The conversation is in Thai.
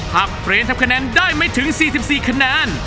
เปรนทำคะแนนได้ไม่ถึง๔๔คะแนน